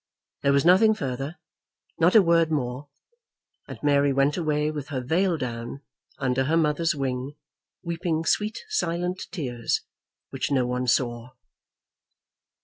There was nothing further; not a word more, and Mary went away with her veil down, under her mother's wing, weeping sweet silent tears which no one saw.